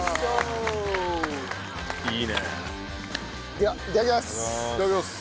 ではいただきます。